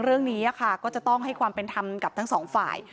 เรื่องนี้ก็จะต้องให้ความเป็นธรรมกับทั้งสองฝ่าย